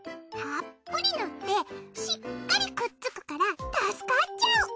たっぷり塗ってしっかりくっつくから助かっちゃう。